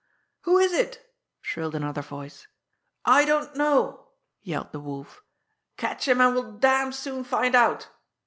"Who is it?" shrilled another voice. "I don't know!" yelled the Wolf. "Catch him, and we'll damn soon find out!"